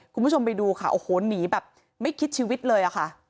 คุณผู้ชมไปดูหนีแบบไม่คิดชีวิตเลย